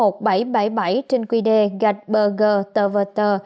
trên quy đề gạch bờ gờ tờ vờ tờ